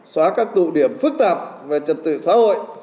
xóa các tụ điểm phức tạp về trật tự xã hội